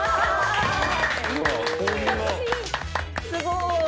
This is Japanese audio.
・すごーい。